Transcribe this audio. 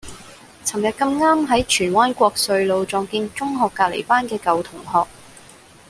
噚日咁啱喺荃灣國瑞路撞見中學隔離班嘅舊同學